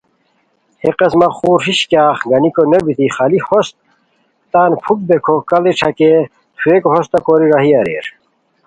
ہے قسمہ خور ہِش کیاغ گنیکونوبیتی خالی ہوست تان پُھک بیکھو کاڑی ݯاکئے تھوویکو ہوستہ کوری راہی اریر